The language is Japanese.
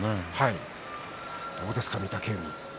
どうですか御嶽海は。